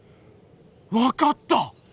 分かった！